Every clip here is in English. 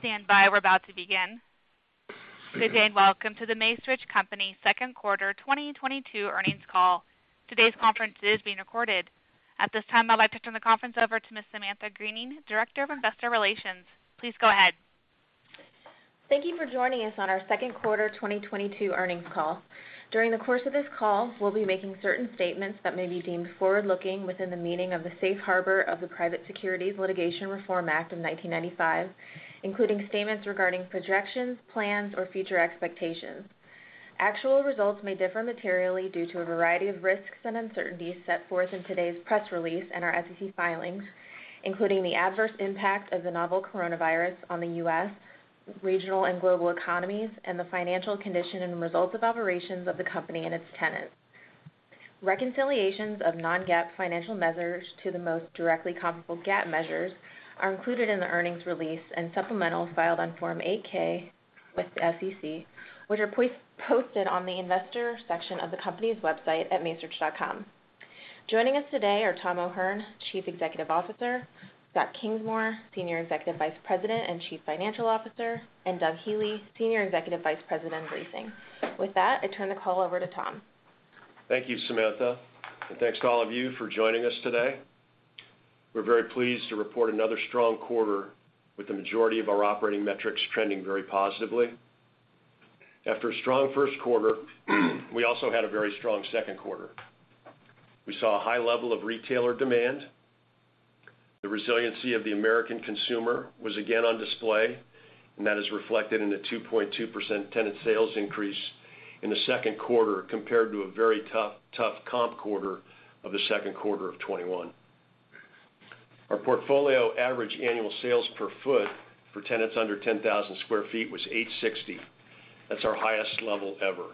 Please stand by. We're about to begin. Good day, and welcome to The Macerich Company second quarter 2022 earnings call. Today's conference is being recorded. At this time, I'd like to turn the conference over to Ms. Samantha Greening, Director of Investor Relations. Please go ahead. Thank you for joining us on our second quarter 2022 earnings call. During the course of this call, we'll be making certain statements that may be deemed forward-looking within the meaning of the Safe Harbor of the Private Securities Litigation Reform Act of 1995, including statements regarding projections, plans, or future expectations. Actual results may differ materially due to a variety of risks and uncertainties set forth in today's press release and our SEC filings, including the adverse impact of the novel coronavirus on the U.S., regional and global economies, and the financial condition and results of operations of the company and its tenants. Reconciliations of non-GAAP financial measures to the most directly comparable GAAP measures are included in the earnings release and supplementals filed on Form 8-K with the SEC, which are posted on the investor section of the company's website at macerich.com. Joining us today are Tom O'Hern, Chief Executive Officer, Scott Kingsmore, Senior Executive Vice President and Chief Financial Officer, and Doug Healey, Senior Executive Vice President of Leasing. With that, I turn the call over to Tom. Thank you, Samantha, and thanks to all of you for joining us today. We're very pleased to report another strong quarter with the majority of our operating metrics trending very positively. After a strong first quarter, we also had a very strong second quarter. We saw a high level of retailer demand. The resiliency of the American consumer was again on display, and that is reflected in the 2.2% tenant sales increase in the second quarter compared to a very tough comp quarter of the second quarter of 2021. Our portfolio average annual sales per foot for tenants under 10,000 sq ft was 860. That's our highest level ever.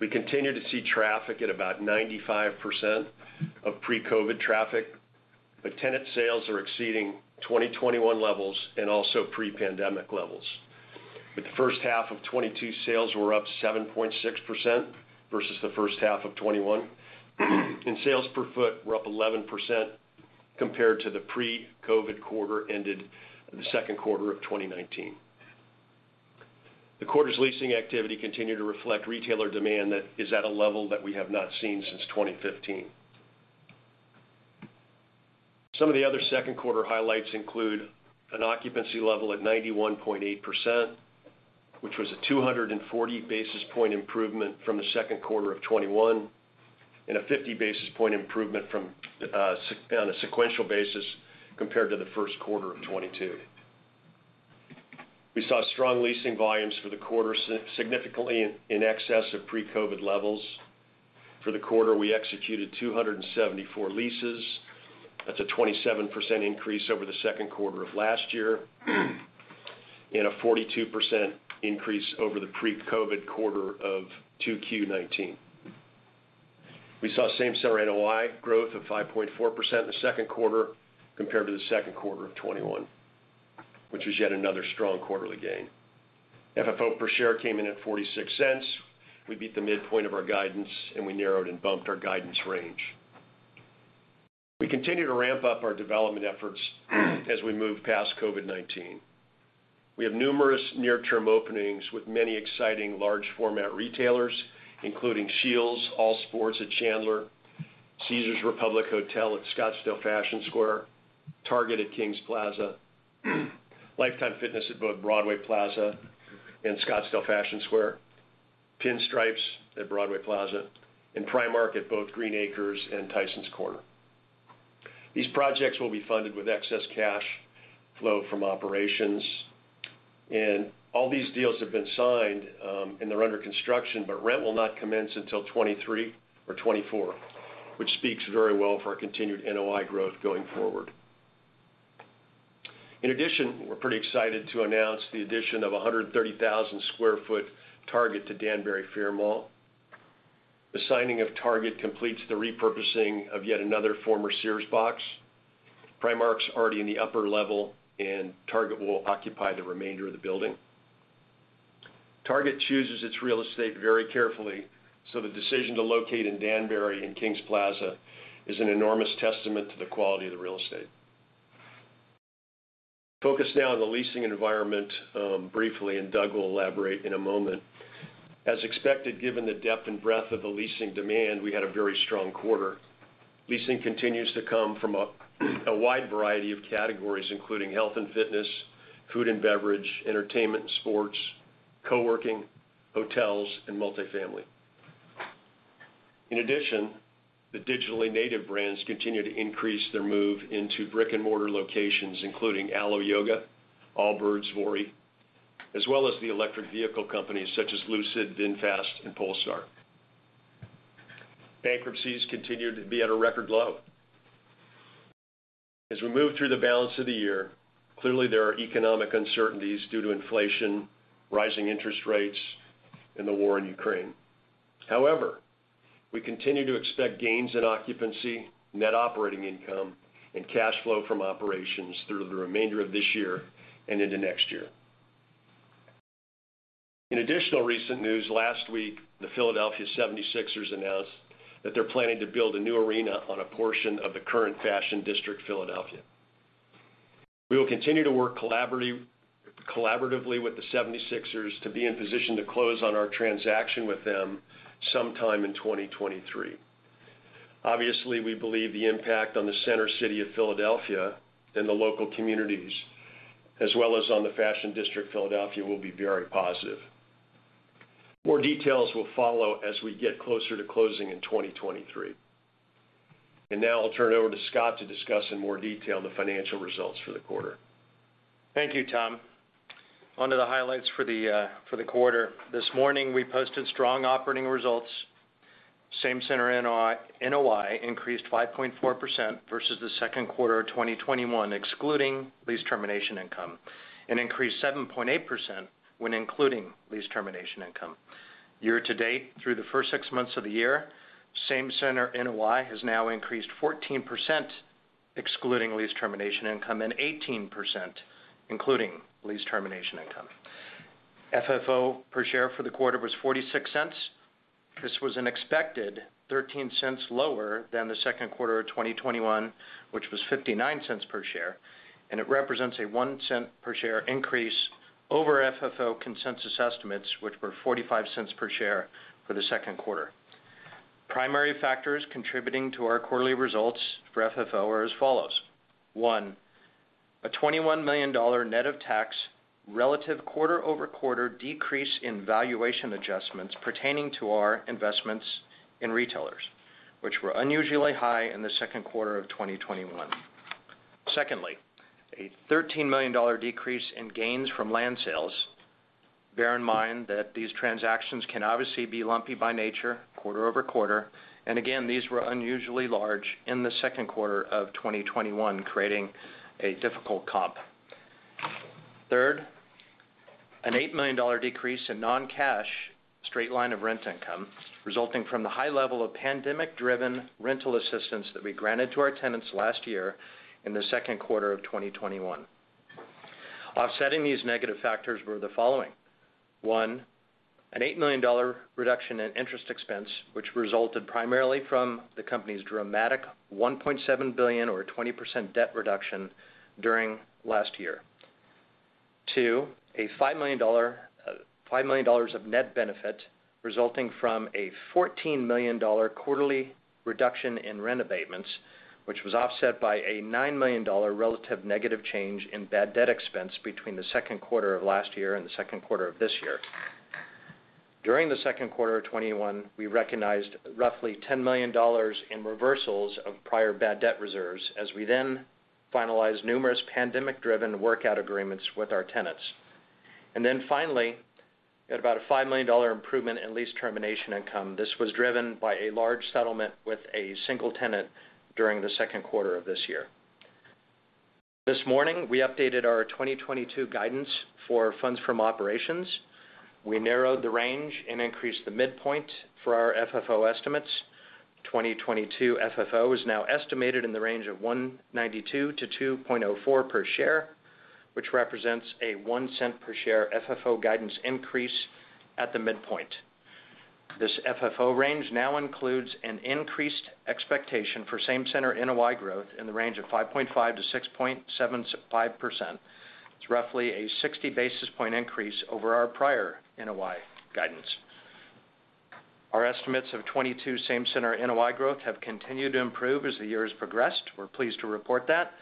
We continue to see traffic at about 95% of pre-COVID traffic, but tenant sales are exceeding 2021 levels and also pre-pandemic levels. For the first half of 2022, sales were up 7.6% versus the first half of 2021. Sales per foot were up 11% compared to the pre-COVID quarter ended the second quarter of 2019. The quarter's leasing activity continued to reflect retailer demand that is at a level that we have not seen since 2015. Some of the other second quarter highlights include an occupancy level at 91.8%, which was a 240 basis point improvement from the second quarter of 2021 and a 50 basis point improvement on a sequential basis compared to the first quarter of 2022. We saw strong leasing volumes for the quarter, significantly in excess of pre-COVID levels. For the quarter, we executed 274 leases. That's a 27% increase over the second quarter of last year and a 42% increase over the pre-COVID quarter of 2Q 2019. We saw same-store NOI growth of 5.4% in the second quarter compared to the second quarter of 2021, which was yet another strong quarterly gain. FFO per share came in at $0.46. We beat the midpoint of our guidance, and we narrowed and bumped our guidance range. We continue to ramp up our development efforts as we move past COVID-19. We have numerous near-term openings with many exciting large format retailers, including SCHEELS All Sports at Chandler, Caesars Republic Scottsdale at Scottsdale Fashion Square, Target at Kings Plaza, Life Time at both Broadway Plaza and Scottsdale Fashion Square, Pinstripes at Broadway Plaza, and Primark at both Green Acres and Tysons Corner. These projects will be funded with excess cash flow from operations. All these deals have been signed, and they're under construction, but rent will not commence until 2023 or 2024, which speaks very well for our continued NOI growth going forward. In addition, we're pretty excited to announce the addition of a 130,000 sq ft Target to Danbury Fair Mall. The signing of Target completes the repurposing of yet another former Sears box. Primark's already in the upper level, and Target will occupy the remainder of the building. Target chooses its real estate very carefully, so the decision to locate in Danbury in Kings Plaza is an enormous testament to the quality of the real estate. Focus now on the leasing environment, briefly, and Doug will elaborate in a moment. As expected, given the depth and breadth of the leasing demand, we had a very strong quarter. Leasing continues to come from a wide variety of categories, including health and fitness, food and beverage, entertainment and sports, co-working, hotels, and multifamily. In addition, the digitally native brands continue to increase their move into brick-and-mortar locations, including Alo Yoga, Allbirds, Vuori, as well as the electric vehicle companies such as Lucid, VinFast, and Polestar. Bankruptcies continue to be at a record low. As we move through the balance of the year, clearly there are economic uncertainties due to inflation, rising interest rates, and the war in Ukraine. However, we continue to expect gains in occupancy, net operating income, and cash flow from operations through the remainder of this year and into next year. In additional recent news last week, the Philadelphia 76ers announced that they're planning to build a new arena on a portion of the current Fashion District Philadelphia. We will continue to work collaboratively with the 76ers to be in position to close on our transaction with them sometime in 2023. Obviously, we believe the impact on the Center City of Philadelphia and the local communities, as well as on the Fashion District Philadelphia, will be very positive. More details will follow as we get closer to closing in 2023. Now I'll turn it over to Scott to discuss in more detail the financial results for the quarter. Thank you, Tom. On to the highlights for the quarter. This morning, we posted strong operating results. Same center NOI increased 5.4% versus the second quarter of 2021, excluding lease termination income, and increased 7.8% when including lease termination income. Year to date, through the first six months of the year, same center NOI has now increased 14% excluding lease termination income, and 18% including lease termination income. FFO per share for the quarter was $0.46. This was an expected $0.13 lower than the second quarter of 2021, which was $0.59 per share, and it represents a $0.01 per share increase over FFO consensus estimates, which were $0.45 per share for the second quarter. Primary factors contributing to our quarterly results for FFO are as follows. One, a $21 million net of tax relative quarter-over-quarter decrease in valuation adjustments pertaining to our investments in retailers, which were unusually high in the second quarter of 2021. Secondly, a $13 million decrease in gains from land sales. Bear in mind that these transactions can obviously be lumpy by nature quarter-over-quarter, and again, these were unusually large in the second quarter of 2021, creating a difficult comp. Third, an $8 million decrease in non-cash straight-line rent income resulting from the high level of pandemic-driven rental assistance that we granted to our tenants last year in the second quarter of 2021. Offsetting these negative factors were the following. One, an $8 million reduction in interest expense, which resulted primarily from the company's dramatic $1.7 billion or 20% debt reduction during last year. Two, a $5 million of net benefit resulting from a $14 million quarterly reduction in rent abatements, which was offset by a $9 million relative negative change in bad debt expense between the second quarter of last year and the second quarter of this year. During the second quarter of 2021, we recognized roughly $10 million in reversals of prior bad debt reserves as we then finalized numerous pandemic-driven workout agreements with our tenants. Finally, we had about a $5 million improvement in lease termination income. This was driven by a large settlement with a single tenant during the second quarter of this year. This morning, we updated our 2022 guidance for funds from operations. We narrowed the range and increased the midpoint for our FFO estimates. 2022 FFO is now estimated in the range of $1.92-$2.04 per share, which represents a $0.01 per share FFO guidance increase at the midpoint. This FFO range now includes an increased expectation for same center NOI growth in the range of 5.5%-6.75%. It's roughly a 60 basis point increase over our prior NOI guidance. Our estimates of 2022 same center NOI growth have continued to improve as the year has progressed. We're pleased to report that.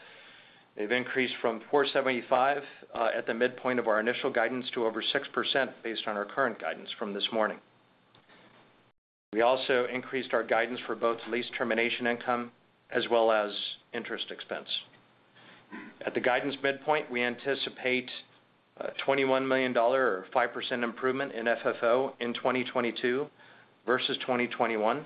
They've increased from 4.75% at the midpoint of our initial guidance to over 6% based on our current guidance from this morning. We also increased our guidance for both lease termination income as well as interest expense. At the guidance midpoint, we anticipate a $21 million or 5% improvement in FFO in 2022 versus 2021.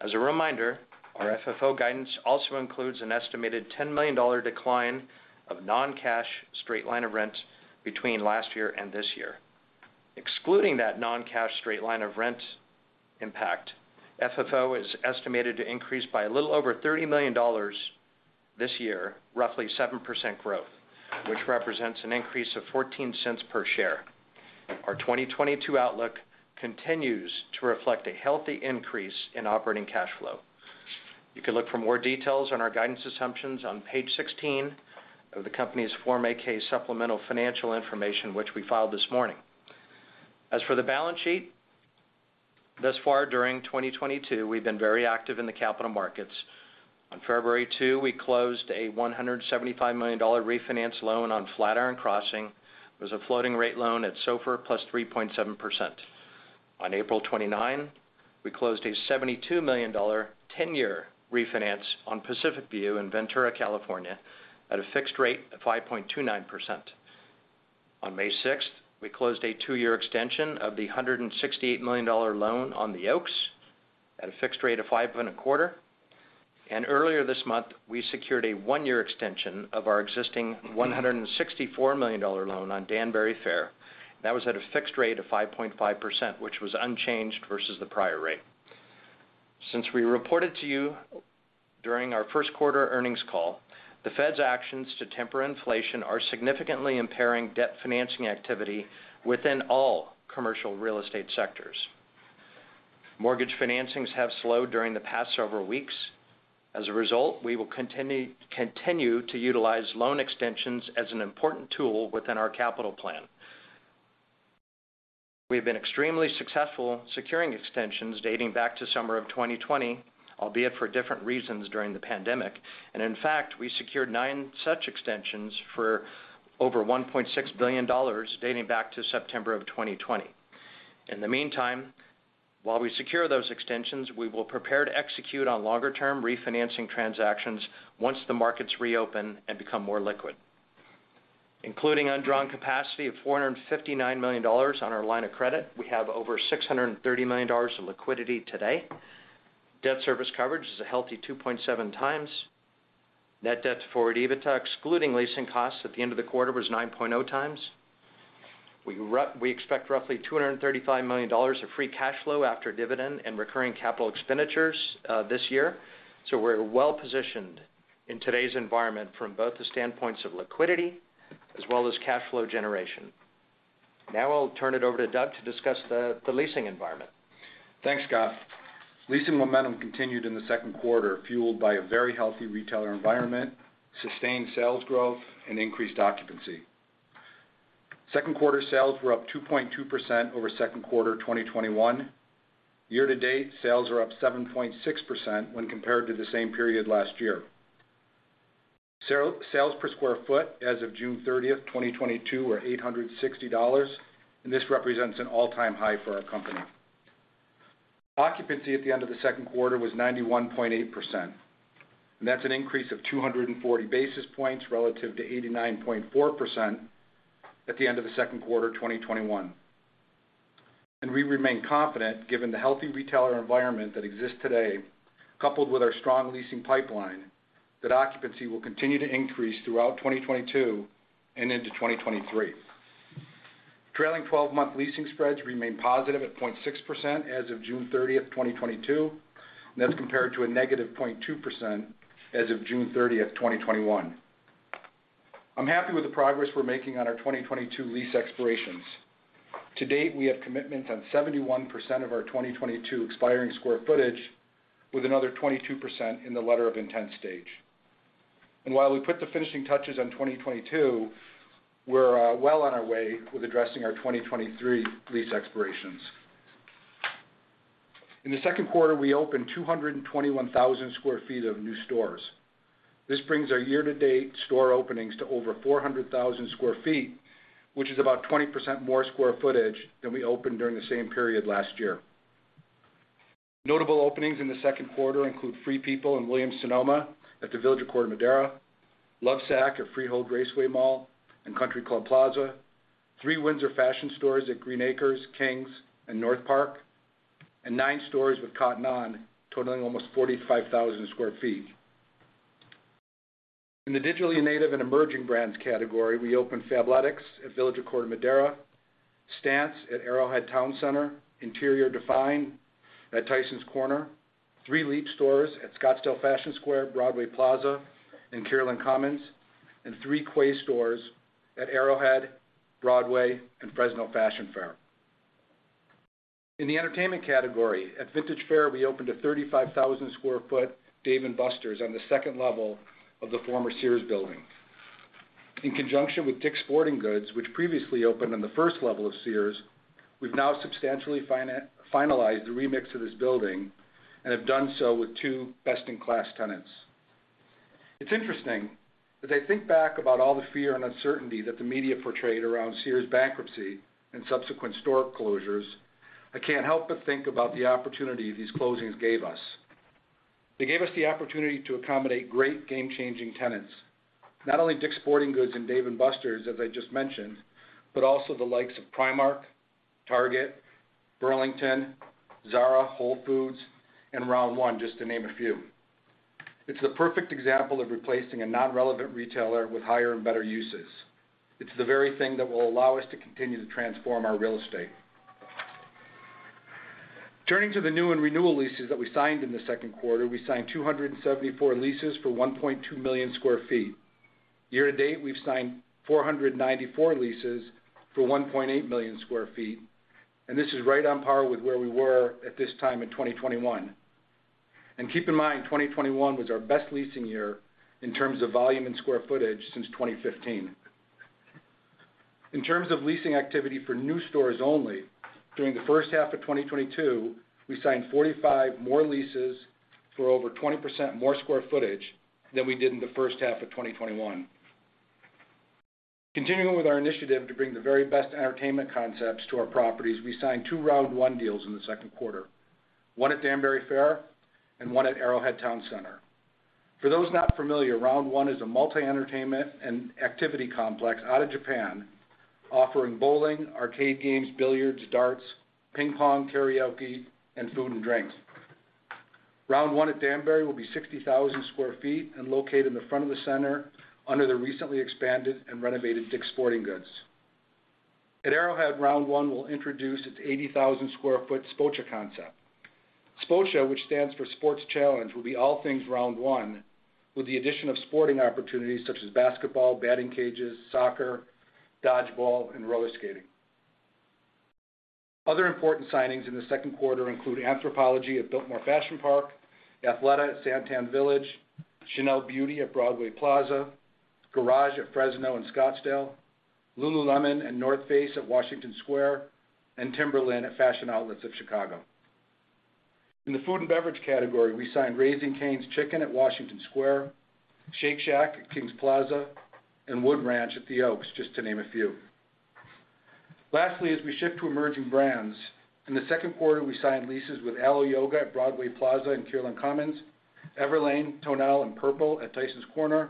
As a reminder, our FFO guidance also includes an estimated $10 million decline of non-cash straight line of rent between last year and this year. Excluding that non-cash straight line of rent impact, FFO is estimated to increase by a little over $30 million this year, roughly 7% growth, which represents an increase of $0.14 per share. Our 2022 outlook continues to reflect a healthy increase in operating cash flow. You can look for more details on our guidance assumptions on page 16 of the company's Form 8-K supplemental financial information, which we filed this morning. As for the balance sheet, thus far during 2022, we've been very active in the capital markets. On February 2, we closed a $175 million refinance loan on Flatiron Crossing. It was a floating-rate loan at SOFR + 3.7%. On April 29, we closed a $72 million 10-year refinance on Pacific View in Ventura, California, at a fixed rate of 5.29%. On May 6, we closed a two-year extension of the $168 million loan on The Oaks at a fixed rate of 5.25%. Earlier this month, we secured a one-year extension of our existing $164 million loan on Danbury Fair. That was at a fixed rate of 5.5%, which was unchanged versus the prior rate. Since we reported to you during our first quarter earnings call, the Fed's actions to temper inflation are significantly impairing debt financing activity within all commercial real estate sectors. Mortgage financings have slowed during the past several weeks. As a result, we will continue to utilize loan extensions as an important tool within our capital plan. We have been extremely successful securing extensions dating back to summer of 2020, albeit for different reasons during the pandemic. In fact, we secured nine such extensions for over $1.6 billion dating back to September of 2020. In the meantime, while we secure those extensions, we will prepare to execute on longer term refinancing transactions once the markets reopen and become more liquid. Including undrawn capacity of $459 million on our line of credit, we have over $630 million of liquidity today. Debt service coverage is a healthy 2.7x. Net debt to forward EBITDA, excluding leasing costs at the end of the quarter, was 9.0x. We expect roughly $235 million of free cash flow after dividend and recurring capital expenditures this year, so we're well-positioned in today's environment from both the standpoints of liquidity as well as cash flow generation. Now I'll turn it over to Doug to discuss the leasing environment. Thanks, Scott. Leasing momentum continued in the second quarter, fueled by a very healthy retailer environment, sustained sales growth, and increased occupancy. Second quarter sales were up 2.2% over second quarter 2021. Year-to-date, sales are up 7.6% when compared to the same period last year. Sales per sq ft as of June 30, 2022 were $860, and this represents an all-time high for our company. Occupancy at the end of the second quarter was 91.8%, and that's an increase of 240 basis points relative to 89.4% at the end of the second quarter of 2021. We remain confident, given the healthy retailer environment that exists today, coupled with our strong leasing pipeline, that occupancy will continue to increase throughout 2022 and into 2023. Trailing twelve-month leasing spreads remain positive at 0.6% as of June 30, 2022, and that's compared to a negative 0.2% as of June 30, 2021. I'm happy with the progress we're making on our 2022 lease expirations. To date, we have commitments on 71% of our 2022 expiring square footage, with another 22% in the letter of intent stage. While we put the finishing touches on 2022, we're well on our way with addressing our 2023 lease expirations. In the second quarter, we opened 221,000 sq ft of new stores. This brings our year-to-date store openings to over 400,000 sq ft, which is about 20% more square footage than we opened during the same period last year. Notable openings in the second quarter include Free People and Williams-Sonoma at The Village at Corte Madera, Lovesac at Freehold Raceway Mall and Country Club Plaza, three Windsor fashion stores at Green Acres, Kings, and NorthPark Center, and nine stores with Cotton On, totaling almost 45,000 sq ft. In the digitally native and emerging brands category, we opened Fabletics at The Village at Corte Madera, Stance at Arrowhead Town Center, Interior Define at Tysons Corner, three lululemon stores at Scottsdale Fashion Square, Broadway Plaza, and Carolina Commons, and three Quay stores at Arrowhead, Broadway, and Fresno Fashion Fair. In the entertainment category, at Vintage Faire Mall, we opened a 35,000-sq-ft Dave & Buster's on the second level of the former Sears building. In conjunction with Dick's Sporting Goods, which previously opened on the first level of Sears, we've now substantially finalized the remix of this building and have done so with two best-in-class tenants. It's interesting that they think back about all the fear and uncertainty that the media portrayed around Sears' bankruptcy and subsequent store closures. I can't help but think about the opportunity these closings gave us. They gave us the opportunity to accommodate great game-changing tenants. Not only DICK's Sporting Goods and Dave & Buster's, as I just mentioned, but also the likes of Primark, Target, Burlington, Zara, Whole Foods, and Round1, just to name a few. It's the perfect example of replacing a non-relevant retailer with higher and better uses. It's the very thing that will allow us to continue to transform our real estate. Turning to the new and renewal leases that we signed in the second quarter, we signed 274 leases for 1.2 million sq ft. Year-to-date, we've signed 494 leases for 1.8 million sq ft, and this is right on par with where we were at this time in 2021. Keep in mind, 2021 was our best leasing year in terms of volume and square footage since 2015. In terms of leasing activity for new stores only, during the first half of 2022, we signed 45 more leases for over 20% more square footage than we did in the first half of 2021. Continuing with our initiative to bring the very best entertainment concepts to our properties, we signed two Round1 deals in the second quarter, one at Danbury Fair and one at Arrowhead Town Center. For those not familiar, Round1 is a multi-entertainment and activity complex out of Japan offering bowling, arcade games, billiards, darts, ping pong, karaoke, and food and drinks. Round1 at Danbury will be 60,000 sq ft and located in the front of the center under the recently expanded and renovated Dick's Sporting Goods. At Arrowhead, Round1 will introduce its 80,000 sq ft Spo-Cha concept. Spo-Cha, which stands for sports challenge, will be all things Round1, with the addition of sporting opportunities such as basketball, batting cages, soccer, dodge ball, and roller skating. Other important signings in the second quarter include Anthropologie at Biltmore Fashion Park, Athleta at SanTan Village, Chanel Beauty at Broadway Plaza, Garage at Fresno and Scottsdale, Lululemon and The North Face at Washington Square, and Timberland at Fashion Outlets of Chicago. In the food and beverage category, we signed Raising Cane's Chicken at Washington Square, Shake Shack at Kings Plaza, and Wood Ranch at The Oaks, just to name a few. Lastly, as we shift to emerging brands, in the second quarter, we signed leases with Alo Yoga at Broadway Plaza and Kierland Commons, Everlane, Tonal, and Purple at Tysons Corner,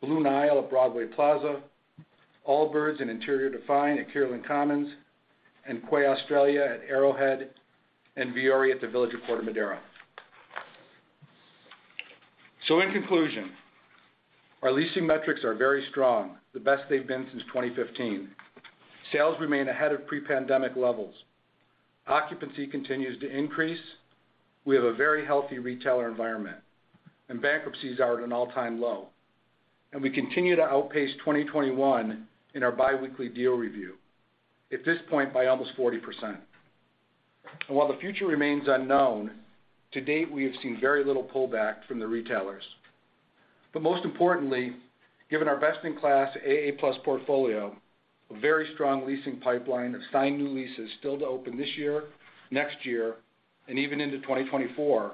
Blue Nile at Broadway Plaza, Allbirds and Interior Define at Kierland Commons, and Quay Australia at Arrowhead, and Vuori at The Village at Corte Madera. In conclusion, our leasing metrics are very strong, the best they've been since 2015. Sales remain ahead of pre-pandemic levels. Occupancy continues to increase. We have a very healthy retailer environment, and bankruptcies are at an all-time low. We continue to outpace 2021 in our biweekly deal review, at this point by almost 40%. While the future remains unknown, to date, we have seen very little pullback from the retailers. Most importantly, given our best-in-class AA+ portfolio, a very strong leasing pipeline of signed new leases still to open this year, next year, and even into 2024,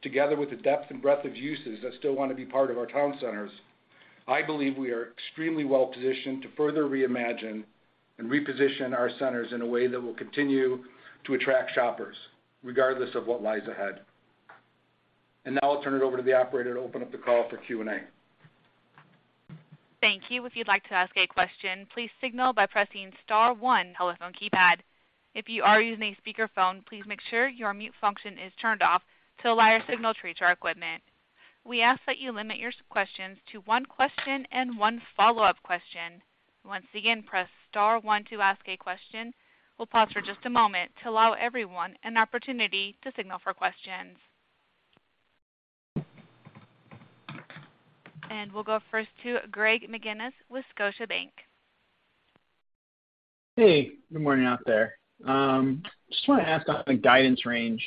together with the depth and breadth of uses that still wanna be part of our town centers, I believe we are extremely well positioned to further reimagine and reposition our centers in a way that will continue to attract shoppers regardless of what lies ahead. Now I'll turn it over to the operator to open up the call for Q&A. Thank you. If you'd like to ask a question, please signal by pressing star one telephone keypad. If you are using a speakerphone, please make sure your mute function is turned off to allow your signal to reach our equipment. We ask that you limit your questions to one question and one follow-up question. Once again, press star one to ask a question. We'll pause for just a moment to allow everyone an opportunity to signal for questions. We'll go first to Greg McGinniss with Scotiabank. Hey, good morning out there. Just wanna ask on the guidance range,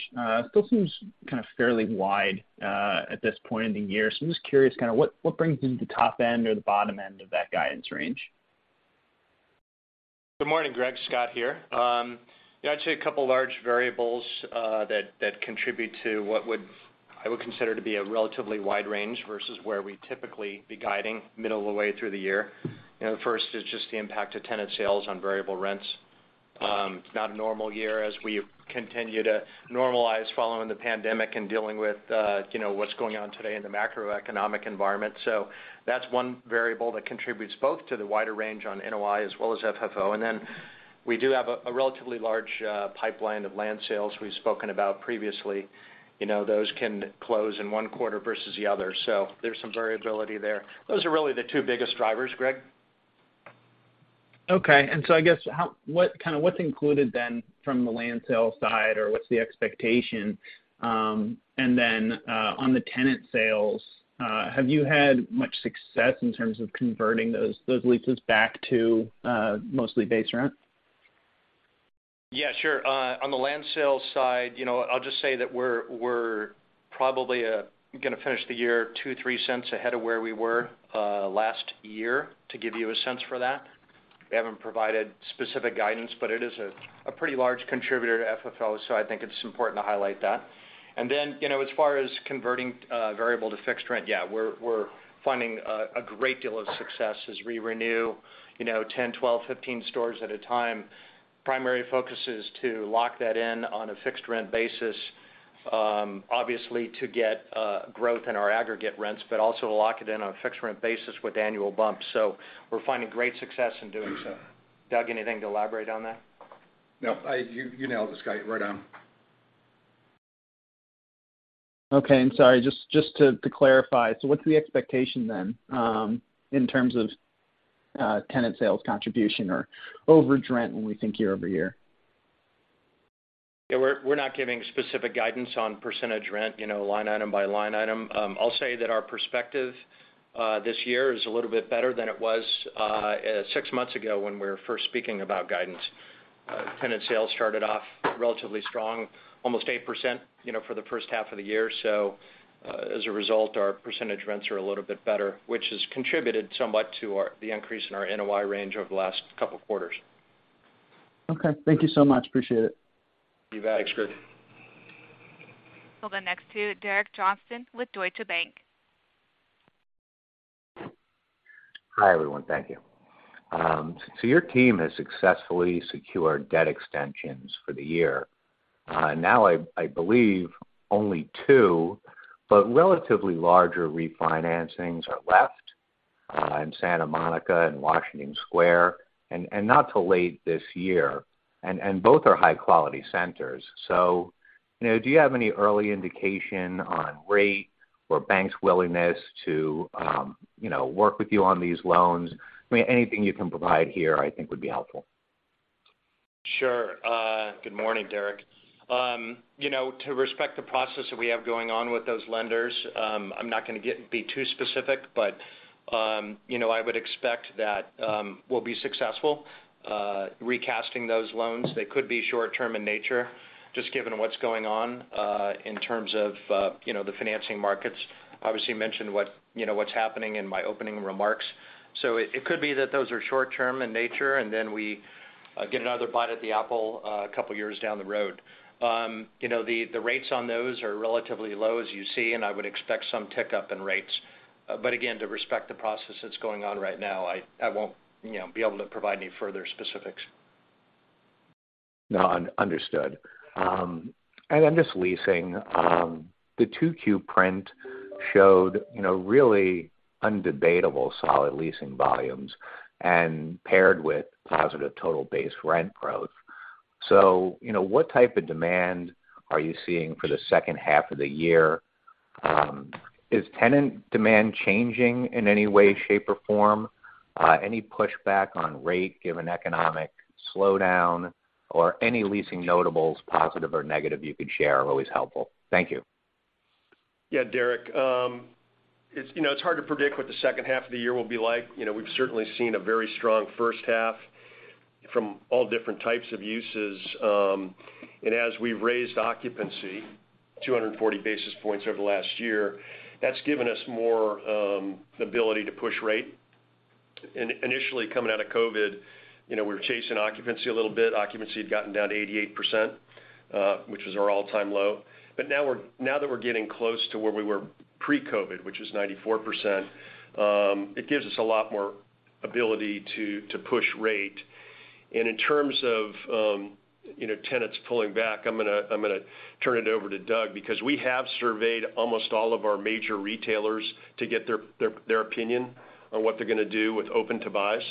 still seems kind of fairly wide, at this point in the year. I'm just curious kinda what brings you the top end or the bottom end of that guidance range? Good morning, Greg. Scott here. Yeah, I'd say a couple large variables that contribute to what I would consider to be a relatively wide range versus where we'd typically be guiding middle of the way through the year. You know, the first is just the impact of tenant sales on variable rents. Not a normal year as we continue to normalize following the pandemic and dealing with you know, what's going on today in the macroeconomic environment. That's one variable that contributes both to the wider range on NOI as well as FFO. We do have a relatively large pipeline of land sales we've spoken about previously. You know, those can close in one quarter versus the other. There's some variability there. Those are really the two biggest drivers, Greg. I guess kinda what's included then from the land sale side or what's the expectation? On the tenant sales, have you had much success in terms of converting those leases back to mostly base rent? Yeah, sure. On the land sale side, you know, I'll just say that we're probably gonna finish the year $0.02-$0.03 ahead of where we were last year, to give you a sense for that. We haven't provided specific guidance, but it is a pretty large contributor to FFO, so I think it's important to highlight that. As far as converting variable to fixed rent, yeah, we're finding a great deal of success as we renew, you know, 10, 12, 15 stores at a time. Primary focus is to lock that in on a fixed rent basis, obviously to get growth in our aggregate rents, but also to lock it in on a fixed rent basis with annual bumps. We're finding great success in doing so. Doug, anything to elaborate on that? No, you nailed it, Scott. Right on. Okay. Sorry, just to clarify, what's the expectation then in terms of tenant sales contribution or overage rent when we think year-over-year? Yeah, we're not giving specific guidance on percentage rent line item by line item. I'll say that our perspective this year is a little bit better than it was six months ago when we were first speaking about guidance. Tenant sales started off relatively strong, almost 8%, you know, for the first half of the year. As a result, our percentage rents are a little bit better, which has contributed somewhat to the increase in our NOI range over the last couple quarters. Okay. Thank you so much. Appreciate it. You bet. Thanks, Greg. We'll go next to Derek Johnston with Deutsche Bank. Hi, everyone. Thank you. Your team has successfully secured debt extensions for the year. Now I believe only two, but relatively larger refinancings are left in Santa Monica and Washington Square, and not till late this year. Both are high quality centers. You know, do you have any early indication on rates or bank's willingness to work with you on these loans. I mean, anything you can provide here I think would be helpful. Sure. Good morning, Derek. You know, to respect the process that we have going on with those lenders, I'm not gonna be too specific, but I would expect that we'll be successful recasting those loans. They could be short term in nature, just given what's going on in terms of you know, the financing markets. Obviously, you mentioned what you know, what's happening in my opening remarks. It could be that those are short term in nature, and then we get another bite at the apple a couple years down the road. You know, the rates on those are relatively low as you see, and I would expect some tick up in rates. To respect the process that's going on right now, I won't be able to provide any further specifics. No, understood. Then just leasing. The 2Q print showed, you know, really undebatable solid leasing volumes and paired with positive total base rent growth. What type of demand are you seeing for the second half of the year? Is tenant demand changing in any way, shape, or form? Any pushback on rate given economic slowdown or any leasing notables, positive or negative you could share are always helpful. Thank you. Yeah, Derek. It's, you know, it's hard to predict what the second half of the year will be like. You know, we've certainly seen a very strong first half from all different types of uses. As we've raised occupancy 240 basis points over the last year, that's given us more ability to push rate. Initially coming out of COVID, you know, we were chasing occupancy a little bit. Occupancy had gotten down to 88%, which was our all-time low. Now that we're getting close to where we were pre-COVID, which is 94%, it gives us a lot more ability to push rate. In terms of, you know, tenants pulling back, I'm gonna turn it over to Doug because we have surveyed almost all of our major retailers to get their opinion on what they're gonna do with open to buys.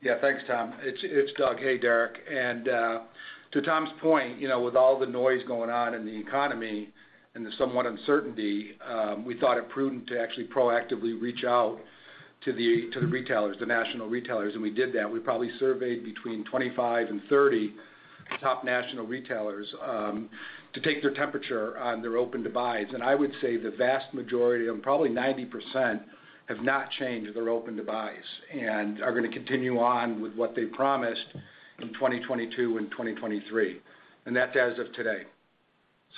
Yeah. Thanks, Tom. It's Doug. Hey, Derek. To Tom's point, you know, with all the noise going on in the economy and the some uncertainty, we thought it prudent to actually proactively reach out to the retailers, the national retailers, and we did that. We probably surveyed between 25 and 30 top national retailers to take their temperature on their open to buys. I would say the vast majority of probably 90% have not changed their open to buys and are gonna continue on with what they promised in 2022 and 2023. That's as of today.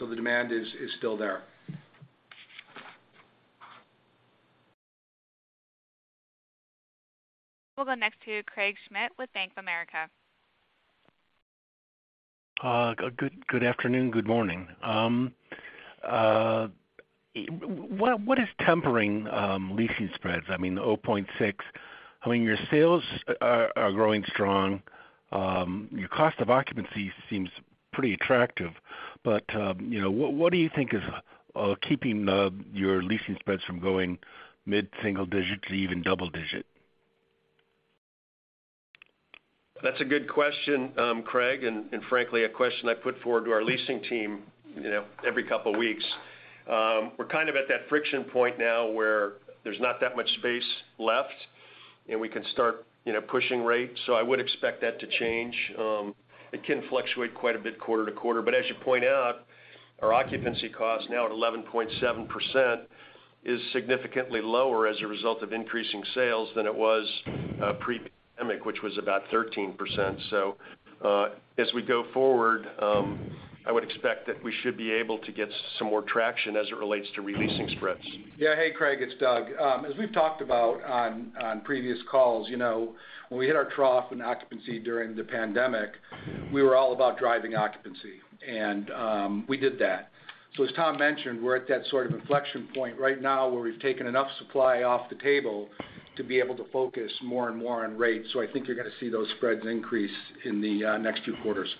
The demand is still there. We'll go next to Craig Schmidt with Bank of America. Good afternoon, good morning. What is tempering leasing spreads? I mean, 0.6. I mean, your sales are growing strong. Your cost of occupancy seems pretty attractive. You know, what do you think is keeping your leasing spreads from going mid-single digit to even double digit? That's a good question, Craig, and frankly, a question I put forward to our leasing team, you know, every couple weeks. We're kind of at that friction point now where there's not that much space left, and we can start pushing rates. I would expect that to change. It can fluctuate quite a bit quarter to quarter. As you point out, our occupancy cost now at 11.7% is significantly lower as a result of increasing sales than it was, pre-pandemic, which was about 13%. As we go forward, I would expect that we should be able to get some more traction as it relates to leasing spreads. Yeah. Hey, Craig. It's Doug. As we've talked about on previous calls, you know, when we hit our trough in occupancy during the pandemic, we were all about driving occupancy, and we did that. As Tom mentioned, we're at that sort of inflection point right now where we've taken enough supply off the table to be able to focus more and more on rates. I think you're gonna see those spreads increase in the next two quarters.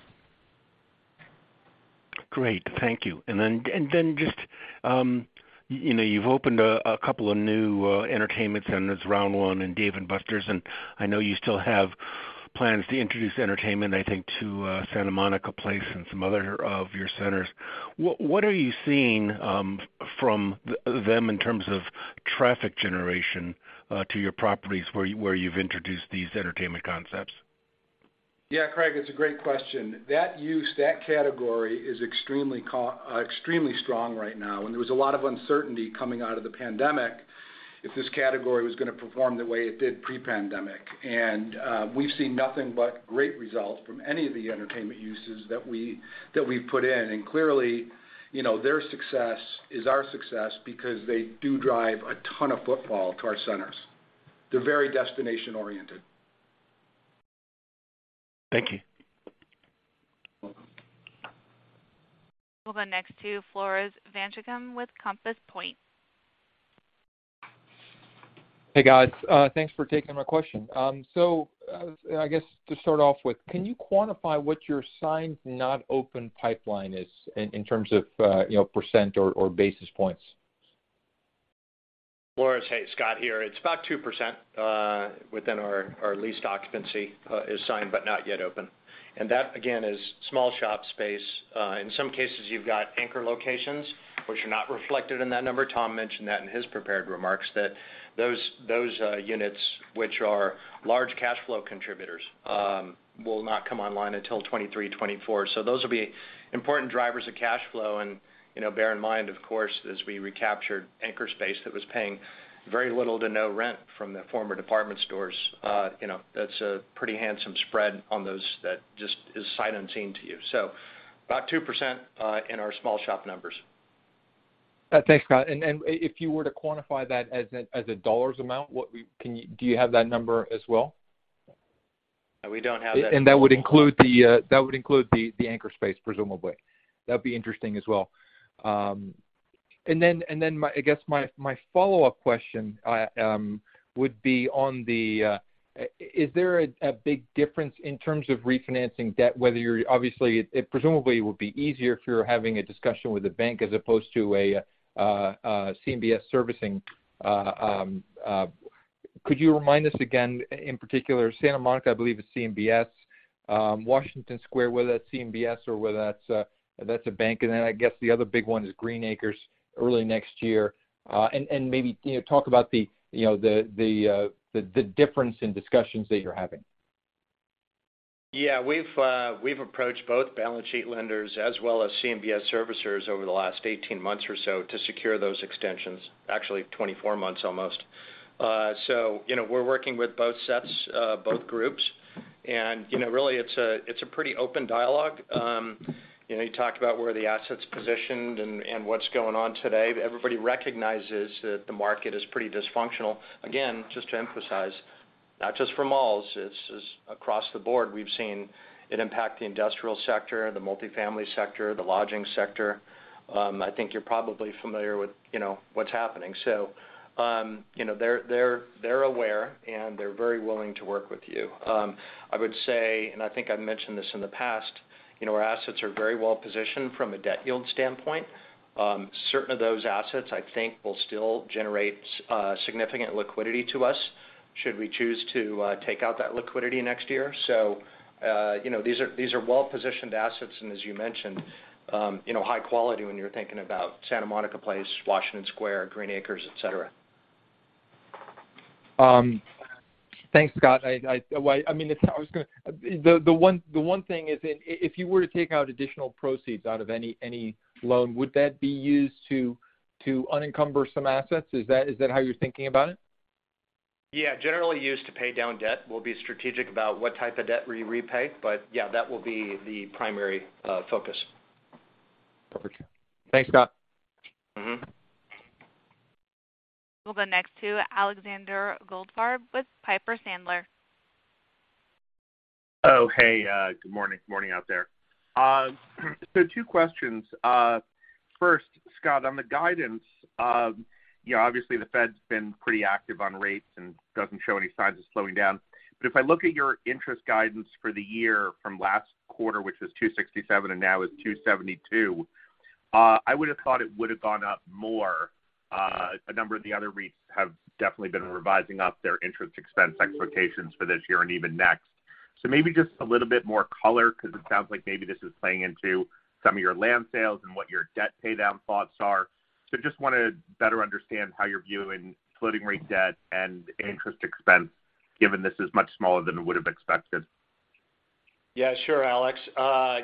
Great. Thank you. Just you've opened a couple of new entertainment centers, Round1 and Dave & Buster's, and I know you still have plans to introduce entertainment, I think, to Santa Monica Place and some other of your centers. What are you seeing from them in terms of traffic generation to your properties where you've introduced these entertainment concepts? Yeah, Craig, it's a great question. That use, that category is extremely strong right now. There was a lot of uncertainty coming out of the pandemic if this category was gonna perform the way it did pre-pandemic. We've seen nothing but great results from any of the entertainment uses that we've put in. Clearly, you know, their success is our success because they do drive a ton of footfall to our centers. They're very destination-oriented. Thank you. Welcome. We'll go next to Floris van Dijkum with Compass Point. Hey, guys. Thanks for taking my question. I guess to start off with, can you quantify what your signed not open pipeline is in terms of percent or basis points? Floris, hey, Scott here. It's about 2% within our leased occupancy is signed but not yet open. That, again, is small shop space. In some cases, you've got anchor locations which are not reflected in that number. Tom mentioned that in his prepared remarks, those units, which are large cash flow contributors, will not come online until 2023, 2024. Those will be important drivers of cash flow. You know, bear in mind, of course, as we recaptured anchor space that was paying very little to no rent from the former department stores, you know, that's a pretty handsome spread on those that just is sight unseen to you. About 2% in our small shop numbers. Thanks, Scott. If you were to quantify that as a dollar amount, do you have that number as well? We don't have that. That would include the anchor space, presumably. That'd be interesting as well. I guess my follow-up question would be is there a big difference in terms of refinancing debt, whether you're obviously it presumably would be easier if you're having a discussion with a bank as opposed to a CMBS servicing. Could you remind us again, in particular, Santa Monica, I believe is CMBS, Washington Square, whether that's CMBS or whether that's a bank. Then I guess the other big one is Green Acres early next year. Maybe, you know, talk about the difference in discussions that you're having. Yeah. We've approached both balance sheet lenders as well as CMBS servicers over the last 18 months or so to secure those extensions. Actually, 24 months almost. You know, we're working with both sets, both groups. You know, really it's a pretty open dialogue. You know, you talk about where the asset's positioned and what's going on today. Everybody recognizes that the market is pretty dysfunctional. Again, just to emphasize, not just for malls, it's across the board. We've seen it impact the industrial sector, the multifamily sector, the lodging sector. I think you're probably familiar with, you know, what's happening. You know, they're aware, and they're very willing to work with you. I would say, I think I've mentioned this in the past, you know, our assets are very well positioned from a debt yield standpoint. Certain of those assets, I think, will still generate significant liquidity to us should we choose to take out that liquidity next year. You know, these are well-positioned assets, and as you mentioned, you know, high quality when you're thinking about Santa Monica Place, Washington Square, Green Acres, etc. Thanks, Scott. Well, I mean, the one thing is if you were to take out additional proceeds out of any loan, would that be used to unencumber some assets? Is that how you're thinking about it? Yeah. Generally used to pay down debt. We'll be strategic about what type of debt we repay. Yeah, that will be the primary focus. Perfect. Thanks, Scott. We'll go next to Alexander Goldfarb with Piper Sandler. Oh, hey, good morning, good morning out there. Two questions. First, Scott, on the guidance, you know, obviously the Fed's been pretty active on rates and doesn't show any signs of slowing down. If I look at your interest guidance for the year from last quarter, which was $267 and now is $272, I would have thought it would have gone up more. A number of the other REITs have definitely been revising up their interest expense expectations for this year and even next. Maybe just a little bit more color 'cause it sounds like maybe this is playing into some of your land sales and what your debt paydown thoughts are. Just wanna better understand how you're viewing floating rate debt and interest expense, given this is much smaller than we would've expected. Yeah, sure, Alex.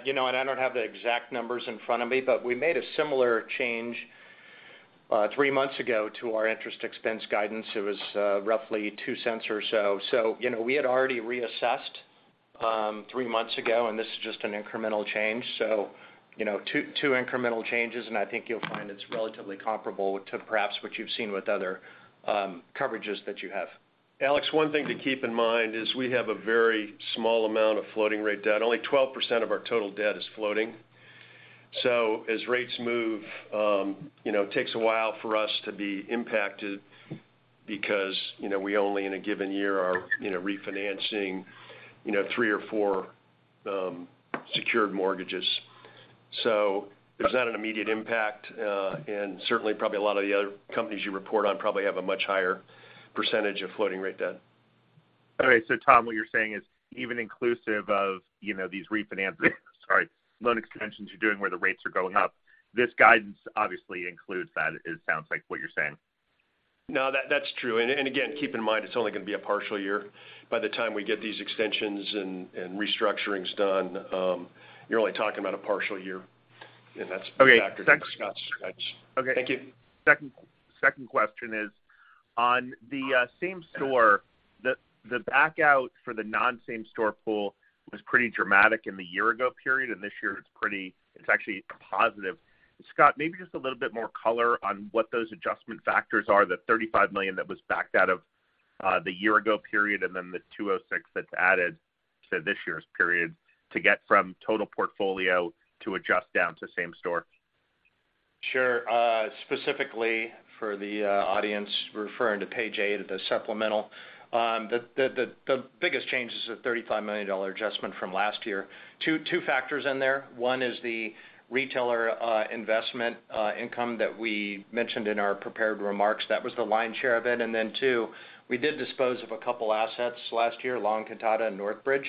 You know, I don't have the exact numbers in front of me, but we made a similar change roughly $0.02 or so. You know, we had already reassessed three months ago, and this is just an incremental change. You know, two incremental changes, and I think you'll find it's relatively comparable to perhaps what you've seen with other coverages that you have. Alex, one thing to keep in mind is we have a very small amount of floating rate debt. Only 12% of our total debt is floating. As rates move, you know, it takes a while for us to be impacted because, you know, we only in a given year are, you know, refinancing, you know, three or four secured mortgages. There's not an immediate impact. Certainly probably a lot of the other companies you report on probably have a much higher percentage of floating rate debt. All right. Tom, what you're saying is even inclusive of, you know, these refinances, sorry, loan extensions you're doing where the rates are going up, this guidance obviously includes that it sounds like what you're saying. No, that's true. Again, keep in mind, it's only gonna be a partial year. By the time we get these extensions and restructurings done, you're only talking about a partial year. Thanks, Scott. Thank you. Second question is on the same store, the backout for the non-same store pool was pretty dramatic in the year ago period, and this year it's actually positive. Scott, maybe just a little bit more color on what those adjustment factors are, the $35 million that was backed out of the year ago period and then the $206 that's added to this year's period to get from total portfolio to adjust down to same store. Sure. Specifically for the audience referring to page 8 of the supplemental, the biggest change is the $35 million adjustment from last year. Two factors in there. One is the retailer investment income that we mentioned in our prepared remarks. That was the lion's share of it. Two, we did dispose of a couple assets last year, La Encantada and Northgate Mall,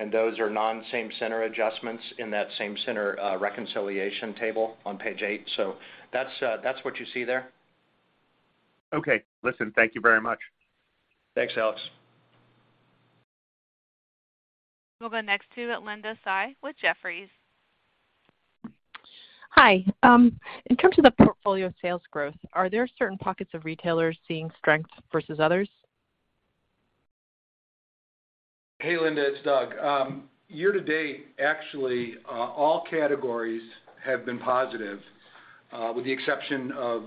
and those are non-same center adjustments in that same center reconciliation table on page eight. That's what you see there. Okay. Listen, thank you very much. Thanks, Alex. We'll go next to Linda Tsai with Jefferies. Hi. In terms of the portfolio sales growth, are there certain pockets of retailers seeing strength versus others? Hey, Linda, it's Doug. Year-to-date, actually, all categories have been positive, with the exception of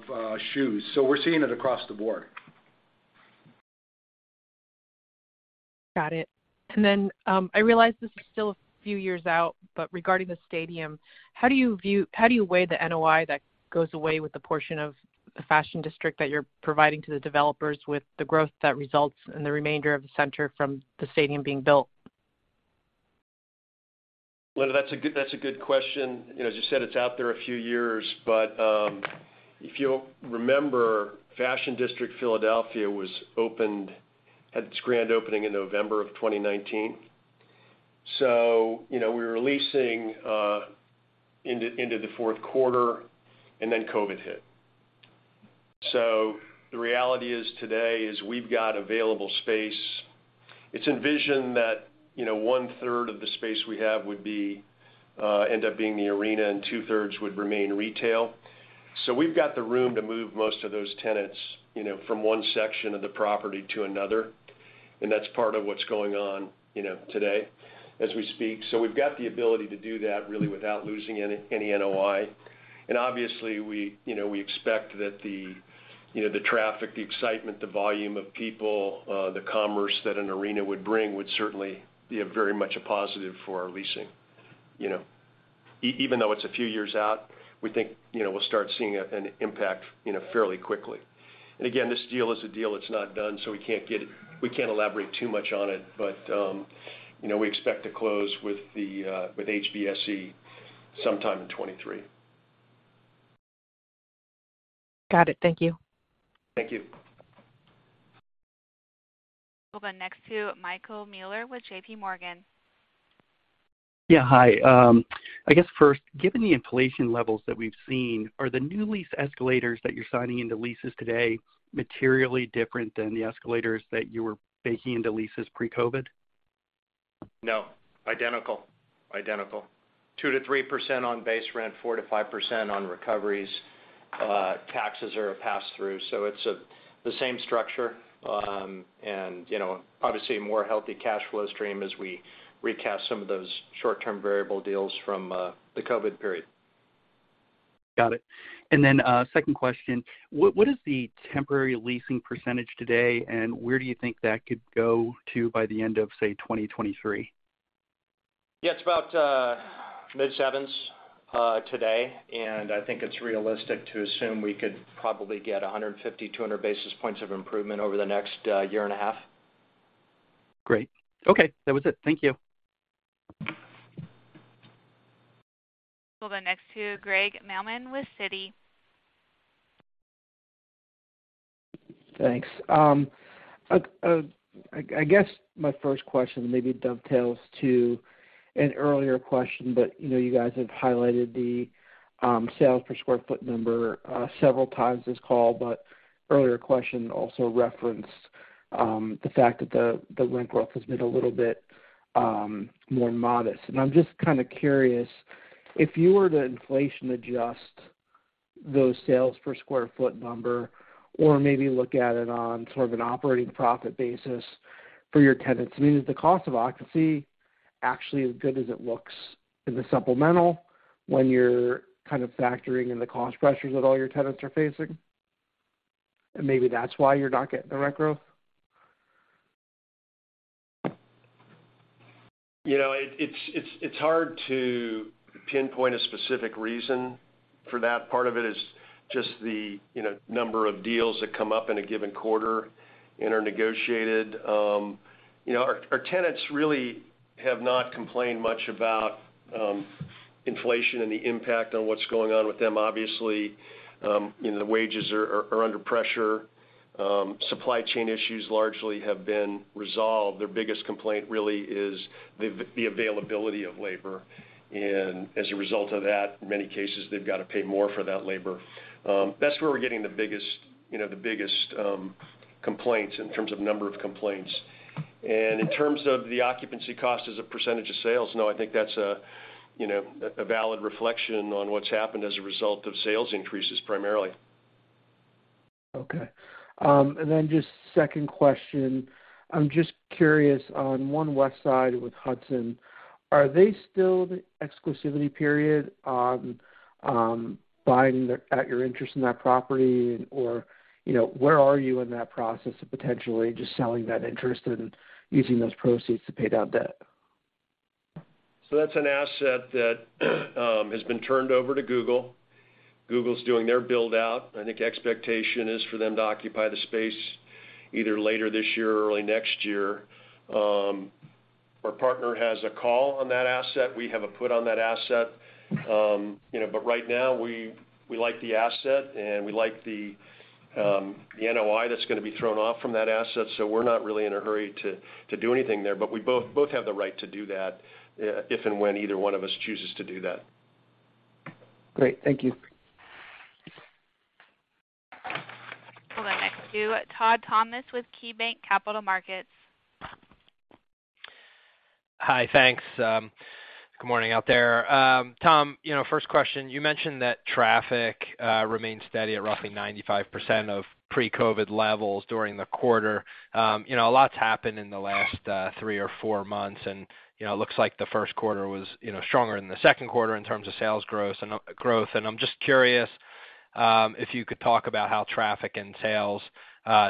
shoes. We're seeing it across the board. Got it. I realize this is still a few years out, but regarding the stadium, how do you weigh the NOI that goes away with the portion of the Fashion District that you're providing to the developers with the growth that results in the remainder of the center from the stadium being built? Linda, that's a good question. You know, as you said, it's out there a few years. If you remember, Fashion District Philadelphia had its grand opening in November 2019. You know, we were leasing into the fourth quarter, and then COVID hit. The reality is today we've got available space. It's envisioned that, you know, 1/3 of the space we have would end up being the arena, and 2/3 would remain retail. We've got the room to move most of those tenants, you know, from one section of the property to another, and that's part of what's going on, you know, today as we speak. We've got the ability to do that really without losing any NOI. Obviously, we, you know, we expect that the, you know, the traffic, the excitement, the volume of people, the commerce that an arena would bring would certainly be a very much a positive for our leasing, you know. Even though it's a few years out, we think, you know, we'll start seeing an impact fairly quickly. Again, this deal that's not done, so we can't elaborate too much on it. You know, we expect to close with HBSE sometime in 2023. Got it. Thank you. Thank you. We'll go next to Michael Mueller with JPMorgan. Yeah, hi. I guess first, given the inflation levels that we've seen, are the new lease escalators that you're signing into leases today materially different than the escalators that you were baking into leases pre-COVID? No. Identical. 2%-3% on base rent, 4%-5% on recoveries. Taxes are a pass-through, so it's the same structure. You know, obviously, a more healthy cash flow stream as we recast some of those short-term variable deals from the COVID period. Got it. Second question. What is the temporary leasing percentage today, and where do you think that could go to by the end of, say, 2023? Yeah, it's about mid-sevens today, and I think it's realistic to assume we could probably get 150-200 basis points of improvement over the next year and a half. Great. Okay, that was it. Thank you. We'll go next to Greg Manuelian with Citi. Thanks. I guess my first question maybe dovetails to an earlier question, you know, you guys have highlighted the sales per square foot number several times this call. Earlier question also referenced the fact that the rent growth has been a little bit more modest. I'm just kind of curious, if you were to inflation adjust those sales per square foot number or maybe look at it on sort of an operating profit basis for your tenants, I mean, is the cost of occupancy actually as good as it looks in the supplemental when you're kind of factoring in the cost pressures that all your tenants are facing? Maybe that's why you're not getting the rent growth. You know, it's hard to pinpoint a specific reason for that. Part of it is just the, you know, number of deals that come up in a given quarter and are negotiated. You know, our tenants really have not complained much about inflation and the impact on what's going on with them. Obviously, you know, the wages are under pressure. Supply chain issues largely have been resolved. Their biggest complaint really is the availability of labor, and as a result of that, in many cases, they've got to pay more for that labor. That's where we're getting the biggest, you know, complaints in terms of number of complaints. In terms of the occupancy cost as a percentage of sales, no, I think that's a, you know, a valid reflection on what's happened as a result of sales increases primarily. Okay. Just second question. I'm just curious on One Westside with Hudson, are they still the exclusivity period on buying out your interest in that property? Or, you know, where are you in that process of potentially just selling that interest and using those proceeds to pay down debt? That's an asset that has been turned over to Google. Google's doing their build-out. I think expectation is for them to occupy the space either later this year or early next year. Our partner has a call on that asset. We have a put on that asset. You know, but right now, we like the asset, and we like the NOI that's gonna be thrown off from that asset, so we're not really in a hurry to do anything there. We both have the right to do that, if and when either one of us chooses to do that. Great. Thank you. We'll go next to Todd Thomas with KeyBanc Capital Markets. Hi, thanks. Good morning out there. Tom, you know, first question, you mentioned that traffic remains steady at roughly 95% of pre-COVID levels during the quarter. You know, a lot's happened in the last three or four months and, you know, looks like the first quarter was, you know, stronger than the second quarter in terms of sales growth. I'm just curious if you could talk about how traffic and sales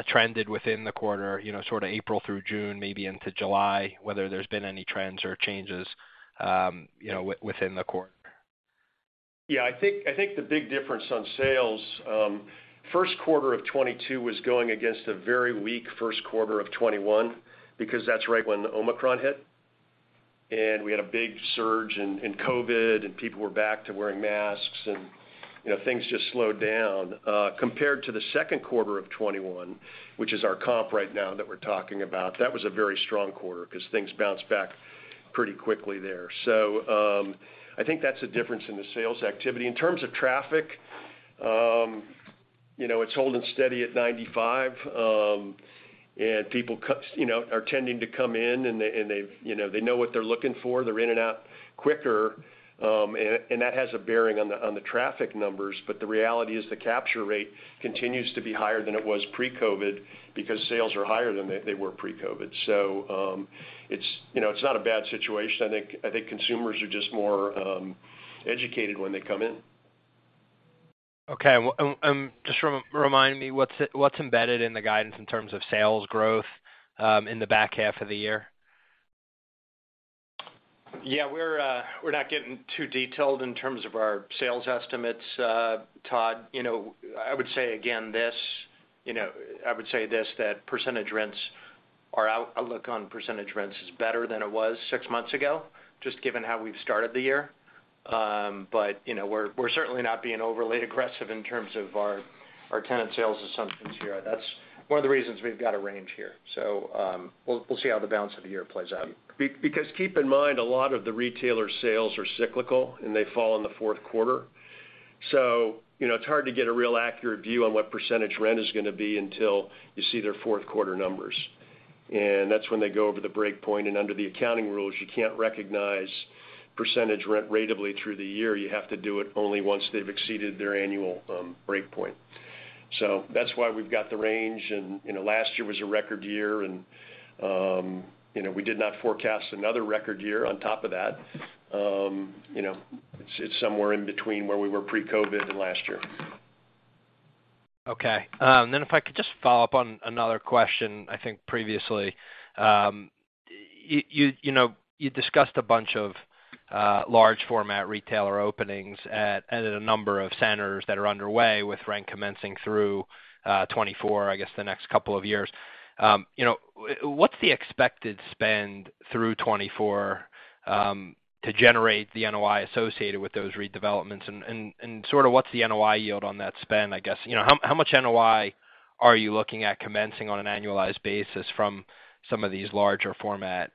trended within the quarter, you know, sort of April through June, maybe into July, whether there's been any trends or changes, you know, within the quarter. I think the big difference on sales first quarter of 2022 was going against a very weak first quarter of 2021 because that's right when Omicron hit, and we had a big surge in COVID, and people were back to wearing masks and you know things just slowed down. Compared to the second quarter of 2021, which is our comp right now that we're talking about, that was a very strong quarter 'cause things bounced back pretty quickly there. I think that's the difference in the sales activity. In terms of traffic, you know it's holding steady at 95%. People you know are tending to come in, and they you know they know what they're looking for. They're in and out quicker, and that has a bearing on the traffic numbers. The reality is the capture rate continues to be higher than it was pre-COVID because sales are higher than they were pre-COVID. You know, it's not a bad situation. I think consumers are just more educated when they come in. Okay. Just remind me what's embedded in the guidance in terms of sales growth in the back half of the year. Yeah. We're not getting too detailed in terms of our sales estimates, Todd. You know, I would say this, that percentage rents or our outlook on percentage rents is better than it was six months ago, just given how we've started the year. But, you know, we're certainly not being overly aggressive in terms of our tenant sales assumptions here. That's one of the reasons we've got a range here. We'll see how the balance of the year plays out. Because keep in mind, a lot of the retailer sales are cyclical, and they fall in the fourth quarter. You know, it's hard to get a real accurate view on what percentage rent is gonna be until you see their fourth quarter numbers. That's when they go over the break point, and under the accounting rules, you can't recognize percentage rent ratably through the year. You have to do it only once they've exceeded their annual break point. That's why we've got the range. You know, last year was a record year and, you know, we did not forecast another record year on top of that. You know, it's somewhere in between where we were pre-COVID and last year. Okay. If I could just follow up on another question, I think previously. You know, you discussed a bunch of large format retailer openings at a number of centers that are underway with rent commencing through 2024, I guess the next couple of years. You know, what's the expected spend through 2024 to generate the NOI associated with those redevelopments? Sort of what's the NOI yield on that spend, I guess? You know, how much NOI are you looking at commencing on an annualized basis from some of these larger format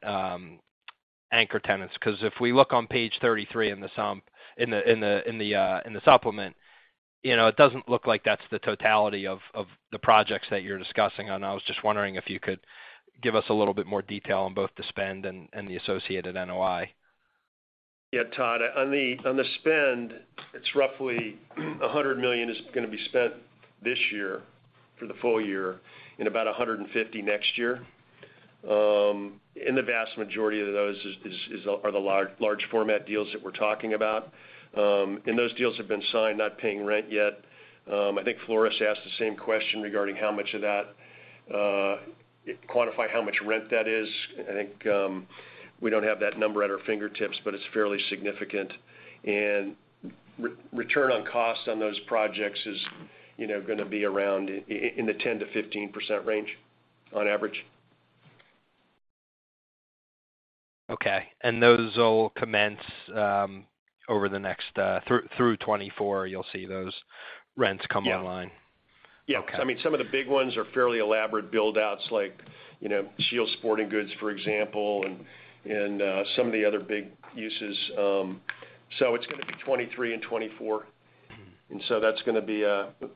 anchor tenants? 'Cause if we look on page 33 in the supplement, you know, it doesn't look like that's the totality of the projects that you're discussing. I was just wondering if you could give us a little bit more detail on both the spend and the associated NOI. Yeah, Todd. On the spend, it's roughly $100 million is gonna be spent this year for the full year and about $150 million next year. The vast majority of those are the large format deals that we're talking about. Those deals have been signed, not paying rent yet. I think Floris asked the same question regarding how much of that, quantify how much rent that is. I think we don't have that number at our fingertips, but it's fairly significant. Return on cost on those projects, you know, is gonna be around in the 10%-15% range on average. Okay. Those will commence over the next through 2024, you'll see those rents come online. I mean, some of the big ones are fairly elaborate build-outs like, you know, SCHEELS, for example, and some of the other big uses. It's gonna be 2023 and 2024. That's gonna be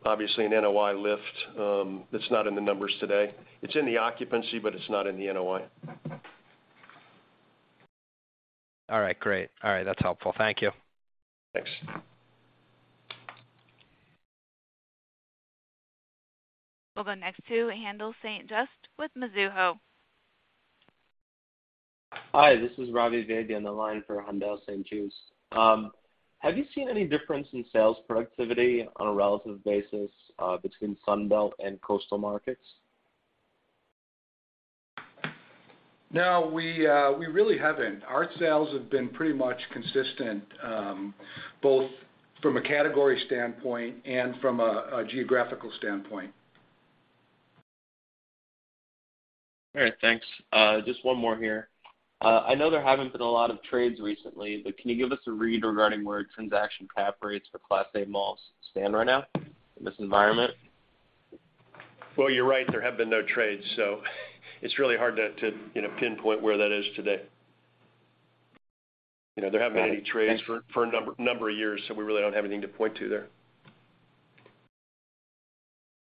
obviously an NOI lift, that's not in the numbers today. It's in the occupancy, but it's not in the NOI. All right, that's helpful. Thank you. Thanks. We'll go next to Haendel St. Juste with Mizuho. Hi, this is Ravi Vaidya on the line for Haendel St. Juste. Have you seen any difference in sales productivity on a relative basis, between Sunbelt and coastal markets? No, we really haven't. Our sales have been pretty much consistent, both from a category standpoint and from a geographical standpoint. All right, thanks. Just one more here. I know there haven't been a lot of trades recently, but can you give us a read regarding where transaction cap rates for Class A malls stand right now in this environment? Well, you're right, there have been no trades. It's really hard to you know, pinpoint where that is today. You know, there haven't been any trades for a number of years, so we really don't have anything to point to there.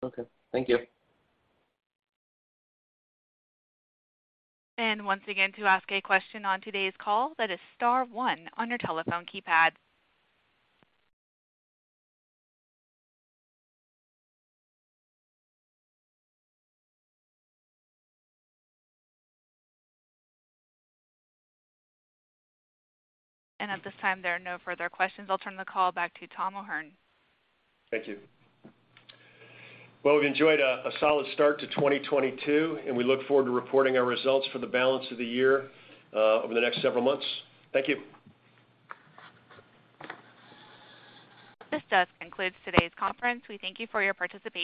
Okay. Thank you. Once again, to ask a question on today's call, that is star one on your telephone keypad. At this time, there are no further questions. I'll turn the call back to Thomas O'Hern. Thank you. Well, we've enjoyed a solid start to 2022, and we look forward to reporting our results for the balance of the year over the next several months. Thank you. This does conclude today's conference. We thank you for your participation.